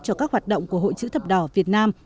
cho các hoạt động của hội chữ thập đỏ việt nam